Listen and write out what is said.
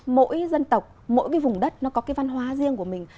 mỗi dân tộc mỗi cái vùng đất nó có cái văn hóa riêng của mình